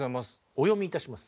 お読みいたします。